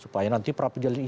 supaya nanti peradilan itu nanti